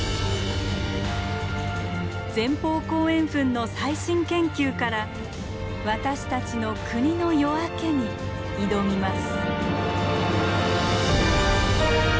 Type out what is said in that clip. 前方後円墳の最新研究から私たちの国の夜明けに挑みます。